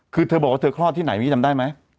คือเธอบอกว่าเธอคลอดที่ไหนพี่จำได้ไหม